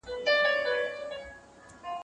زه له سهاره د سبا لپاره د سوالونو جواب ورکوم!